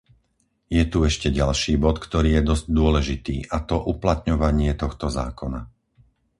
Je tu ešte ďalší bod, ktorý je dosť dôležitý, a to uplatňovanie tohto zákona.